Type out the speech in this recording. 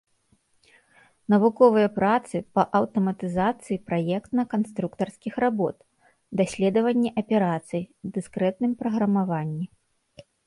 Навуковыя працы па аўтаматызацыі праектна-канструктарскіх работ, даследаванні аперацый, дыскрэтным праграмаванні.